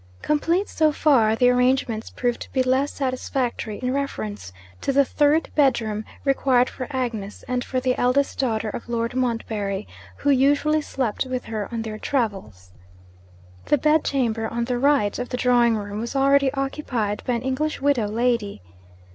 Complete so far, the arrangements proved to be less satisfactory in reference to the third bedroom required for Agnes and for the eldest daughter of Lord Montbarry, who usually slept with her on their travels. The bed chamber on the right of the drawing room was already occupied by an English widow lady.